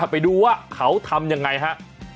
ไปดูว่าเขาทำยังไงฮะ